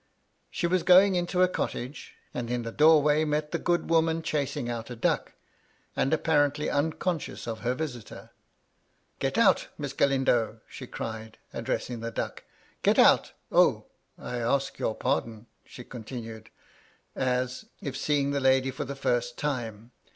She was going into a cottage, and in the doorway met the good woman chasing out a duck, and apparently unconscious of her visitor. " Get out. Miss Galindo !" she cried addressing the duck. " Get out ! O, I ask your pardon," she con^ tinned, as if seeing the lady for the first time.